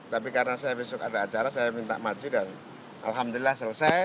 tapi karena saya besok ada acara saya minta maju dan alhamdulillah selesai